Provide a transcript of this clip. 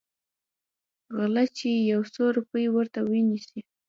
غله چې يو څو روپۍ ورته ونيسي.